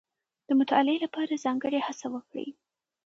د مطالعې لپاره ځانګړې هڅه وکړئ.